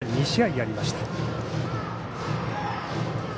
完投が２試合ありました。